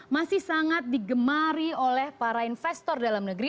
masih sangat digemari oleh para investor dalam negeri